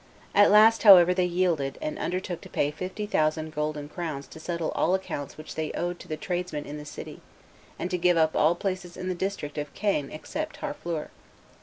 At last, however, they yielded, and undertook to pay fifty thousand golden crowns to settle all accounts which they owed to the tradesmen in the city, and to give up all places in the district of Caen except Harfleur.